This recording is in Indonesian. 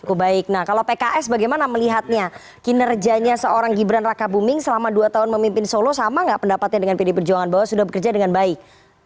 cukup baik nah kalau pks bagaimana melihatnya kinerjanya seorang gibran raka buming selama dua tahun memimpin solo sama nggak pendapatnya dengan pdi perjuangan bahwa sudah bekerja dengan baik